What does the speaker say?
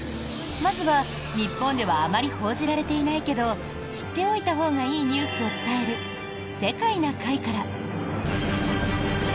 まずは、日本ではあまり報じられていないけど知っておいたほうがいいニュースを伝える「世界な会」から。